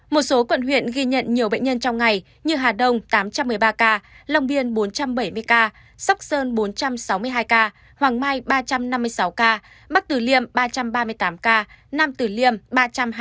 một số quận huyện ghi nhận nhiều bệnh nhân trong ngày như hà đông tám trăm một mươi ba ca long biên bốn trăm bảy mươi ca sóc sơn bốn trăm sáu mươi hai ca hoàng mai ba trăm năm mươi sáu ca bắc tử liêm ba trăm ba mươi tám ca nam tử liêm ba trăm hai mươi tám ca